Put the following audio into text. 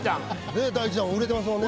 ねえ第１弾売れてますもんね。